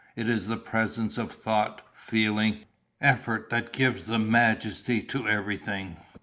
It is the presence of thought, feeling, effort that gives the majesty to everything.